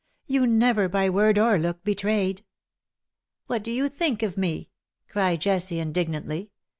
You never by word or look betrayed "'^ What do you think of me ?" cried Jessie^ in dignantly.